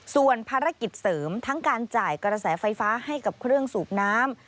ส่วนภารกิจเสริมทั้งการจ่ายกระแสไฟฟ้าให้กับเครื่องสูบน้ำ